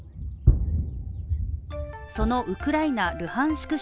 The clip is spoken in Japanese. そのウクライナ・ルハンシク